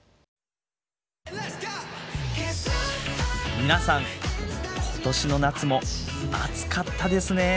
皆さん今年の夏も暑かったですねえ。